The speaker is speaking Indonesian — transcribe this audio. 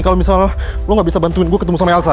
kalau misalnya lo gak bisa bantuin gue ketemu sama elsa